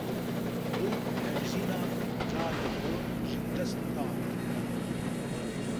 Du hevjînan canê xwe jidest da.